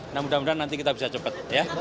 nah mudah mudahan nanti kita bisa cepat ya